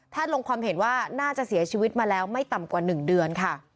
ลงความเห็นว่าน่าจะเสียชีวิตมาแล้วไม่ต่ำกว่า๑เดือนค่ะ